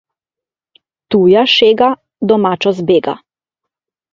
Tuja šega domačo zbega.